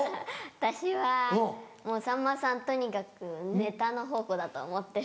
私はさんまさんとにかくネタの宝庫だと思ってる。